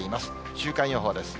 週間予報です。